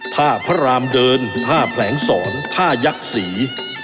ท่าพระรามเดินท่าแผลงสอนท่ายักษ์ศรี